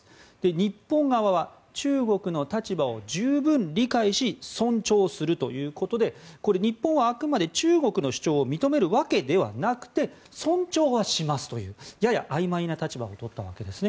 日本側は中国の立場を十分理解し尊重するということでこれ、日本はあくまで中国の主張を認めるわけではなくて尊重はしますというややあいまいな立場を取ったわけですね。